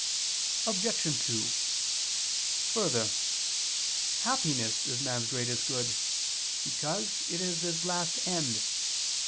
Obj. 2: Further, happiness is man's greatest good, because it is his last end.